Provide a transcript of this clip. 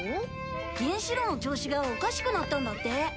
原子炉の調子がおかしくなったんだって。